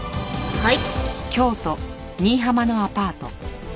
はい。